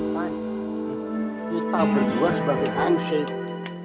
kan kita berdua sebagai handshake